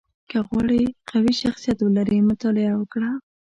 • که غواړې قوي شخصیت ولرې، مطالعه وکړه.